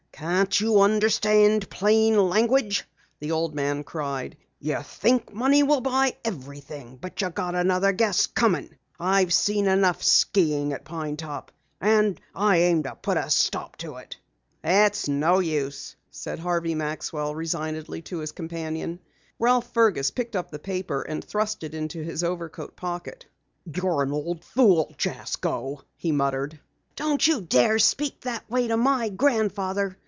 "Can't you understand plain language?" the old man cried. "You think money will buy everything, but you got another guess coming. I've seen enough skiing at Pine Top and I aim to put a stop to it!" "It's no use," said Harvey Maxwell resignedly to his companion. Ralph Fergus picked up the paper and thrust it into his overcoat pocket. "You're an old fool, Jasko!" he muttered. "Don't you dare speak that way to my grandfather!"